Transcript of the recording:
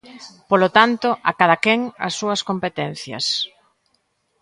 Polo tanto, a cadaquén as súas competencias.